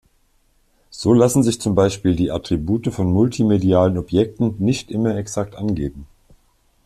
So lassen sich zum Beispiel die Attribute von Multimedialen Objekten nicht immer exakt angeben.